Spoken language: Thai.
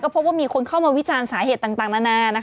พบว่ามีคนเข้ามาวิจารณ์สาเหตุต่างนานา